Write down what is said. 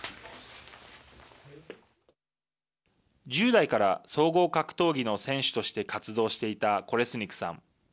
１０代から総合格闘技の選手として活動していたコレスニクさん。